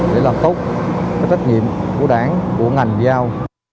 để làm tốt cái trách nhiệm của đảng của ngành giao